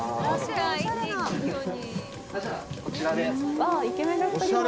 じゃあこちらで。